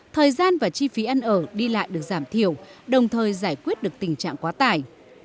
thời gian và chi phí ăn ở đi lại được giảm thiểu đồng thời giải quyết được tình trạng quá tải